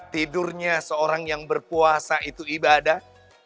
tidurnya seorang yang berpuasa itu ibadah